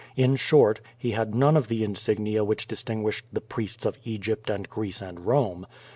In short, he had none of the insignia which distinguished the priests of Egypt and Greece and Rome.